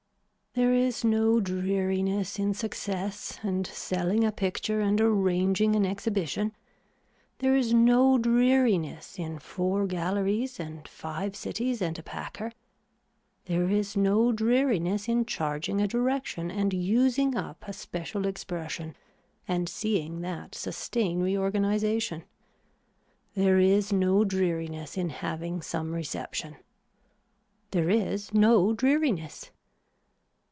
There is no dreariness in success and selling a picture and arranging an exhibition. There is no dreariness in four galleries and five cities and a packer. There is no dreariness in charging a direction and using up a special expression and seeing that sustain reorganisation. There is no dreariness in having some reception. There is no dreariness.